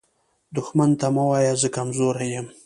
دښمن ته مه وایه “زه کمزوری یم”